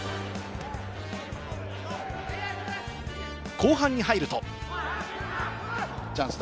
後半に入ると。